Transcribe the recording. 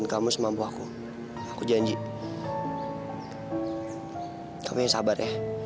ya sudah kamu istirahat